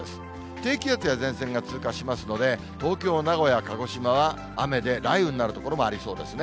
低気圧や前線が通過しますので、東京、名古屋、鹿児島は雨で雷雨になる所もありそうですね。